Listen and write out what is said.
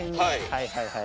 はいはいはい。